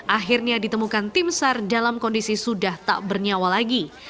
akhirnya ditemukan timsar dalam kondisi sudah tak bernyawa lagi